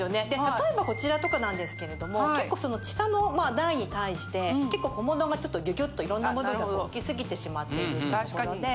例えばこちらとかなんですけれども結構その下の台に対して結構小物がちょっとギュギュっと色んな物が置きすぎてしまってるところで。